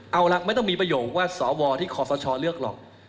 เอาล่ะไม่ต้องมีประโยคว่าสวที่ขอสชเลือกหรอก